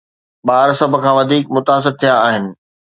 ٻار سڀ کان وڌيڪ متاثر ٿيا آهن